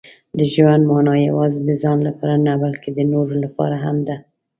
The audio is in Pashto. • د ژوند مانا یوازې د ځان لپاره نه، بلکې د نورو لپاره هم ده.